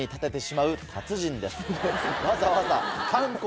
わざわざ。